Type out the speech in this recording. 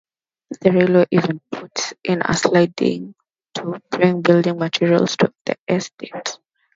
The railway even put in a siding to bring building materials to the estate.